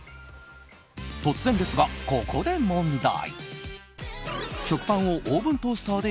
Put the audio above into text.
突然ですが、ここで問題。